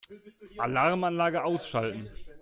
Alarmanlage ausschalten.